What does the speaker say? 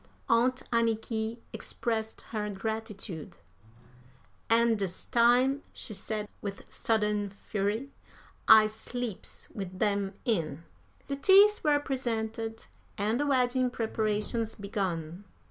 Aunt Anniky expressed her gratitude. "An' dis time," she said, with sudden fury, "I sleeps wid 'em in." The teeth were presented, and the wedding preparations began.